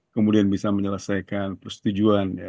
kemudian bisa menyelesaikan persetujuan